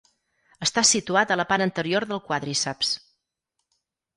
Està situat a la part anterior del quàdriceps.